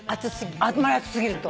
熱すぎて？